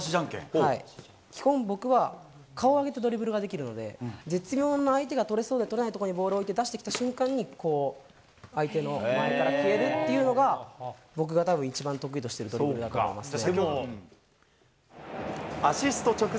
基本、僕は顔上げてドリブルができるので、絶妙な相手が取れそうで取れない絶妙な所にボール置いて出してきた瞬間に、相手の間合いから消えるっていうのが、僕がたぶん、一番得意としてるドリブルだと思いますね。